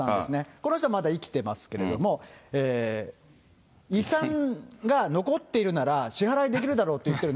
この人はまだ生きてますけれども、遺産が残っているなら支払いできるだろうと言っている。